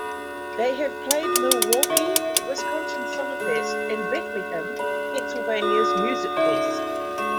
They have played Milwaukee, Wisconsin's Summerfest and Bethlehem, Pennsylvania's Musikfest.